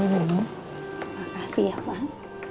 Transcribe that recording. makasih ya pak